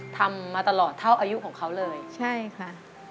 ทำมาตลอดเท่าอายุของเขาเลยใช่ค่ะ